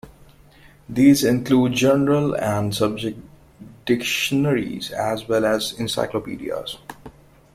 These include general and subject dictionaries as well as encyclopedias.